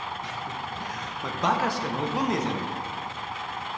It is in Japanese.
お前バカしか残んねえじゃねえかよ。